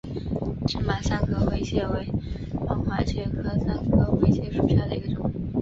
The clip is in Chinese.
芝麻三壳灰介为半花介科三壳灰介属下的一个种。